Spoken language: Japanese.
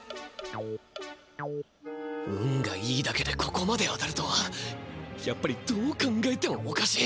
運がいいだけでここまで当たるとはやっぱりどう考えてもおかしい！